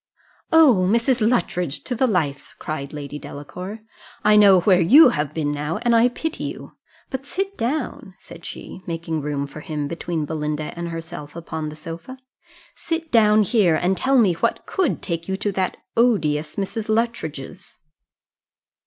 "O, Mrs. Luttridge to the life!" cried Lady Delacour: "I know where you have been now, and I pity you but sit down," said she, making room for him between Belinda and herself upon the sofa, "sit down here, and tell me what could take you to that odious Mrs. Luttridge's."